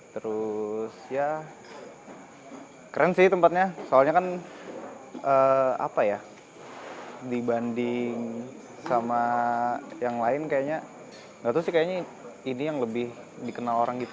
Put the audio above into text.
terus ya keren sih tempatnya soalnya kan apa ya dibanding sama yang lain kayaknya nggak tuh sih kayaknya ini yang lebih dikenal orang gitu